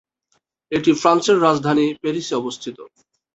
এটি ফ্রান্সের রাজধানী প্যারিসে অবস্থিত।